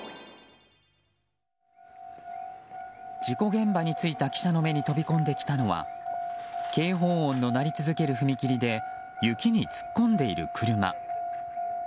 事故現場に着いた記者の目に飛び込んできたのは警報音の鳴り続ける踏切で雪に突っ込んでいる車。